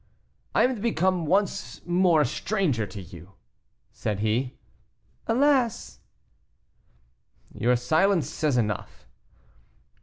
"I am to become once more a stranger to you," said he. "Alas!" "Your silence says enough."